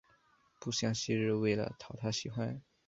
不像昔日为了讨他喜欢